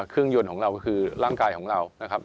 เครื่องยนต์ของเราก็คือร่างกายของเรานะครับ